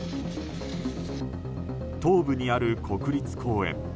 東部にある国立公園。